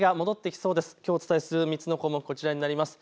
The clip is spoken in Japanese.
きょうお伝えする３つの項目です。